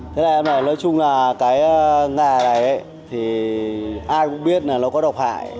thế này em nói nói chung là cái nghề này thì ai cũng biết là nó có độc hại